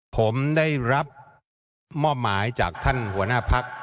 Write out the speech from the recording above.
ผมได้รับมอบหมายจากท่านหัวหน้าพัก